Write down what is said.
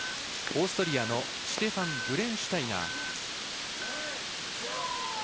オーストリアのシュテファン・ブレンシュタイナー。